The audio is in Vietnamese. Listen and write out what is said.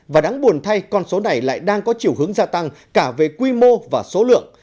và đáng buồn thay con số này lại đang có chiều hướng gia tăng cả về quy mô và số lượng